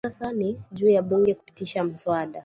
Hivi sasa ni juu ya bunge kupitisha mswada